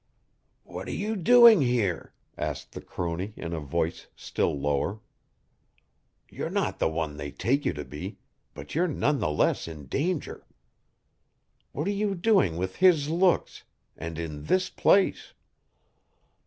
"What are you doing here?" asked the crone in a voice still lower. "You're not the one they take you to be, but you're none the less in danger. What are you doing with his looks, and in this place?